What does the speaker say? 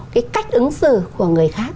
cái cách ứng xử của người khác